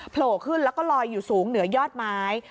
โผล่ขึ้นแล้วก็ลอยอยู่สูงเหนือยอดไม้